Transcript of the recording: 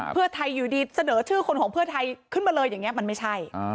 เพื่อไทยอยู่ดีเสนอชื่อคนของเพื่อไทยขึ้นมาเลยอย่างนี้มันไม่ใช่